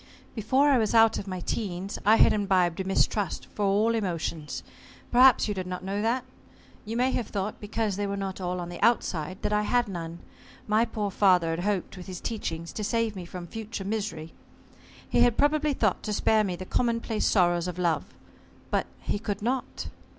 "Before I was out of my teens, I had imbibed a mistrust for all emotions. Perhaps you did not know that? You may have thought, because they were not all on the outside, that I had none. My poor father had hoped, with his teachings, to save me from future misery. He had probably thought to spare me the commonplace sorrows of love. But he could not."